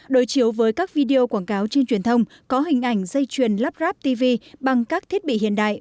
đối chiếu với các video quảng cáo trên truyền thông có hình ảnh dây chuyền lắp ráp tv bằng các thiết bị hiện đại